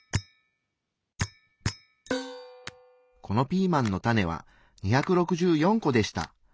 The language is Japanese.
このピーマンのタネは２６４個でした。